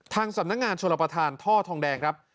สำนักงานชนประธานท่อทองแดงครับ